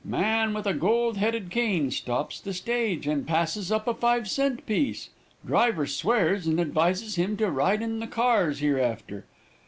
Man with a gold headed cane stops the stage, and passes up a five cent piece. Driver swears, and advises him to ride in the cars hereafter.